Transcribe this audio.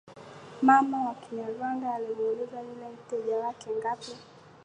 mama wa Kinyarwanda alimuuliza yule mteja wake ngapi